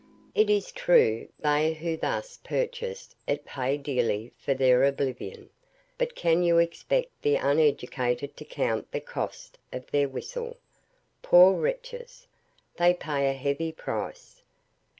It is true they who thus purchase it pay dearly for their oblivion; but can you expect the uneducated to count the cost of their whistle? Poor wretches! They pay a heavy price.